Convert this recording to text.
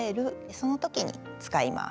その時に使います。